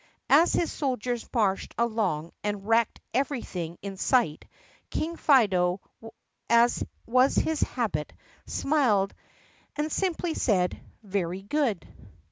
As his soldiers marched along and wrecked everything in sight, King Fido, as was his habit, smiled and simply said, "Very good."